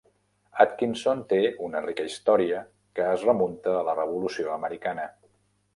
Atkinson té una rica història que es remunta a la Revolució Americana.